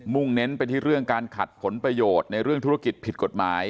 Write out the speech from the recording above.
่งเน้นไปที่เรื่องการขัดผลประโยชน์ในเรื่องธุรกิจผิดกฎหมาย